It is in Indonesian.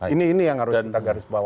ini yang harus kita garis bawah